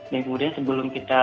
dan kemudian sebelum kita